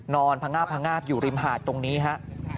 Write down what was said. นอนพังงาบอยู่ริมหาดตรงนี้ฮะ